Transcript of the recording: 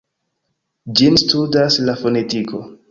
Ĝin studas la fonetiko.